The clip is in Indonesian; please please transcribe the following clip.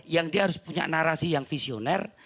yang dia harus punya narasi yang visioner